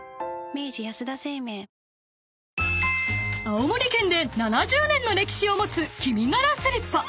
［青森県で７０年の歴史を持つきみがらスリッパ］